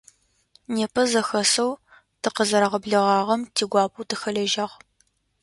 Непэ зэхэсэу тыкъызэрагъэблэгъагъэм тигуапэу тыхэлэжьагъ.